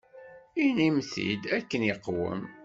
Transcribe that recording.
Inim-t-id akken iqwem.